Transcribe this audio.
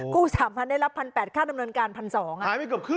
กู้๓๐๐๐ได้รับ๑๘๐๐บาทค่าดำเนินการ๑๒๐๐บาท